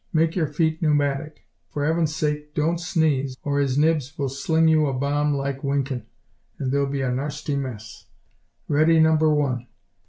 Make your feet pneumatic. For 'eaven's sake, don't sneeze, or 'is nibs will sling you a bomb like winkin', and there'll be a narsty mess. Ready, Number One!